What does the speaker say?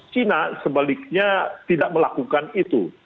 cina sebaliknya tidak melakukan itu